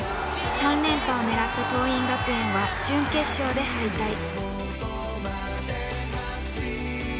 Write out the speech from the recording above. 三連覇を狙った桐蔭学園は準決勝で敗退。